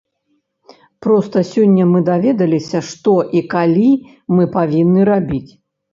Проста сёння мы даведаліся, што і калі мы павінны рабіць.